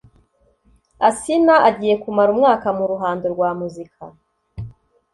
Asinah agiye kumara umwaka mu ruhando rwa muzika